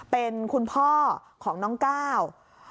เป็นคุณพ่อของน้องก้าว